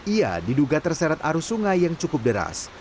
ia diduga terseret arus sungai yang cukup deras